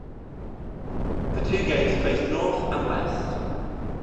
The two gates face north and west.